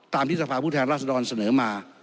ตามทฤษภาพุทธแห่งราชดรเสนอมา